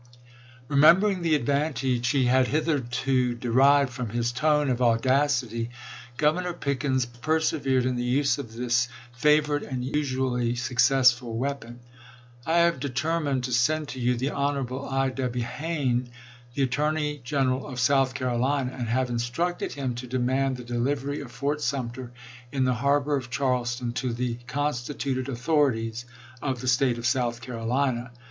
Remembering the advantage he had hitherto de rived from his tone of audacity, Governor Pickens persevered in the use of this favorite and usually successful weapon. " I have determined to send to you the Hon. I. W. Hayne, the Attorney General of South Carolina, aud have instructed him to demand the delivery of Fort Sumter in the harbor of Charles ton to the constituted authorities of the State of South Carolina.